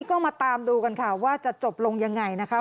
ก็มาตามดูกันค่ะว่าจะจบลงยังไงนะคะ